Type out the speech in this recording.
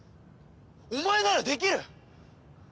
お前ならできる！